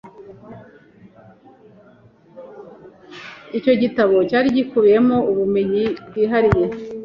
icyo gitabo cyari gikubiyemo ubumenyi bwihariye